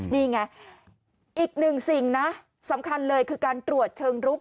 นี่ไงอีกหนึ่งสิ่งนะสำคัญเลยคือการตรวจเชิงรุก